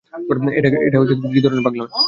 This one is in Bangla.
এটা কি ধরনের পাগলামি?